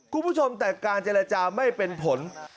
คุณผู้ชมแต่การเจรจาไม่เป็นผล